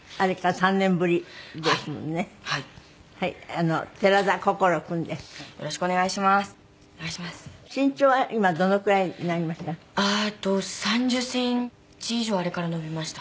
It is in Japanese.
３０センチ以上あれから伸びました。